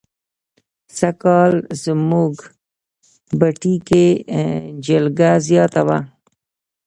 سږ کال زموږ پټي کې جلگه زیاته وه.